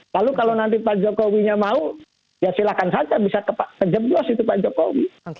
lalu kalau nanti pak jokowi nya mau ya silakan saja bisa ke jeblos itu pak jokowi